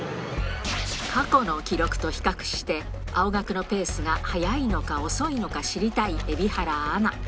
過去の記録と比較して、青学のペースが速いのか遅いのか知りたい蛯原アナ。